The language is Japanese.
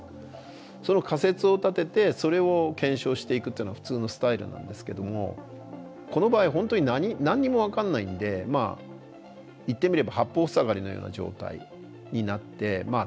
その仮説を立ててそれを検証していくっていうのは普通のスタイルなんですけどもこの場合本当に何にも分かんないんでまあ言ってみれば八方塞がりのような状態になってまあ